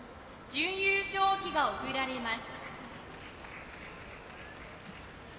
準優勝旗が贈られます。